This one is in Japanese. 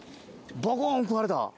バコン食われた！